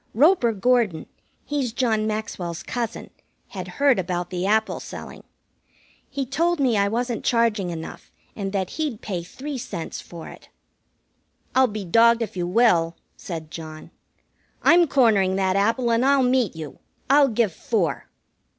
Roper Gordon he's John Maxwell's cousin had heard about the apple selling. He told me I wasn't charging enough, and that he'd pay three cents for it. "I'll be dogged if you will," said John. "I'm cornering that apple, and I'll meet you. I'll give four."